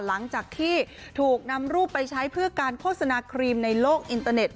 หลังจากที่ถูกนำรูปไปใช้เพื่อการโฆษณาครีมในโลกอินเตอร์เน็ต